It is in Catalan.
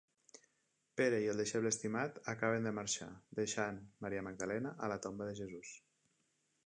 Pere i el Deixeble Estimat acaben de marxar, deixant Maria Magdalena a la tomba de Jesús.